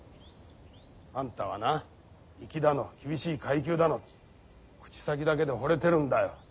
あんたはな粋だの厳しい階級だの口先だけでほれてるんだよ。